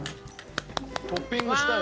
トッピングしたい。